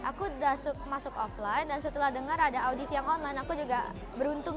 aku udah masuk offline dan setelah dengar ada audisi yang online aku juga beruntung